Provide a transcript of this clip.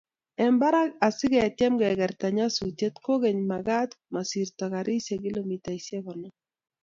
eng barak asigetyem kegerta nyasusiet, kogeny komagaat masirtoi karishek kilomitaishek konom